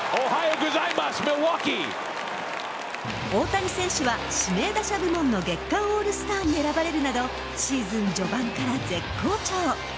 大谷選手は指名打者部門の月間オールスターに選ばれるなどシーズン序盤から絶好調。